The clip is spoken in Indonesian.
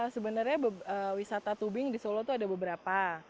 sebenarnya wisata tubing di solo itu ada beberapa